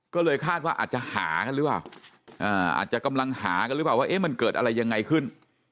ก็เลยคาดว่าอาจจะหากันหรือเปล่าอาจจะกำลังหากันหรือเปล่าว่ามันเกิดอะไรยังไงขึ้น